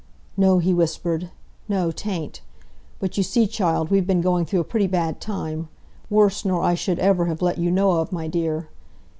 "No," he whispered. "No, 'tain't. But you see, child, we've been going through a pretty bad time—worse nor I should ever have let you know of, my dear.